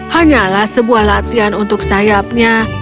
hanyalah sebuah latihan untuk sayapnya